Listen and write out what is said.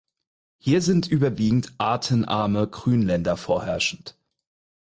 Hier sind überwiegend artenarme Grünländer vorherrschend.